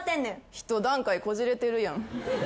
一段階こじれてるやん。